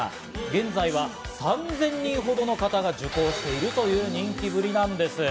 現在は３０００人ほどの方が受講しているという人気ぶりなんです。